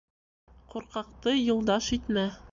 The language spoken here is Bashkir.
Ҡурҡаҡты юлдаш итмә